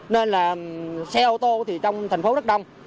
nên là xe ô tô thì trong thành phố rất đông